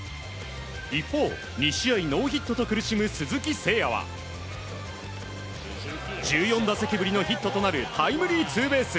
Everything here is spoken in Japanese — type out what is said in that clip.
一方、２試合ノーヒットと苦しむ鈴木誠也は１４打席ぶりのヒットとなるタイムリーツーベース。